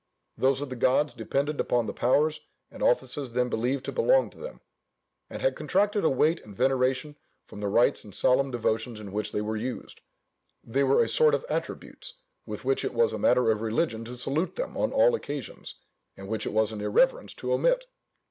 Those of the gods depended upon the powers and offices then believed to belong to them; and had contracted a weight and veneration from the rites and solemn devotions in which they were used: they were a sort of attributes with which it was a matter of religion to salute them on all occasions, and which it was an irreverence to omit.